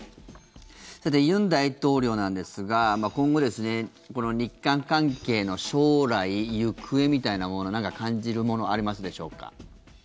さて、尹大統領なんですが今後、日韓関係の将来行方みたいなものは何か感じるものはありますでしょうか。